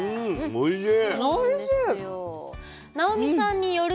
おいしい。